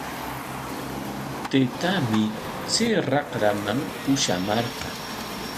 Taytaami chay raqraman pushamarqan.